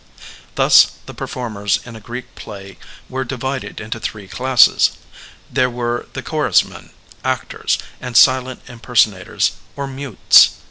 Thus the performers in a Greek play were divided into three classes : there were the chorus men, actors, and silent impersonators or mutes.